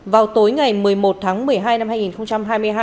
vào tối ngày một mươi một tháng một mươi hai năm hai nghìn hai mươi hai